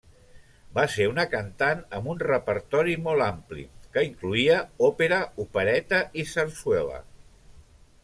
Va ser una cantant amb un repertori molt ampli, que incloïa òpera, opereta i sarsuela.